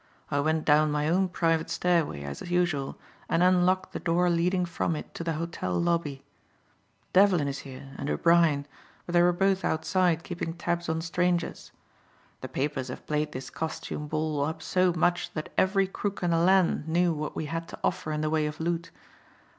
I went down my own private stairway as usual and unlocked the door leading from it to the hotel lobby. Devlin is here, and O'Brien, but they were both outside keeping tabs on strangers. The papers have played this costume ball up so much that every crook in the land knew what we had to offer in the way of loot.